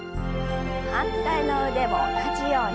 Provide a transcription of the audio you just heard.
反対の腕も同じように。